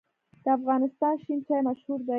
د افغانستان شین چای مشهور دی